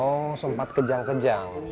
oh sempat kejang kejang